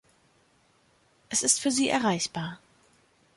Es ist für Sie erreichbar.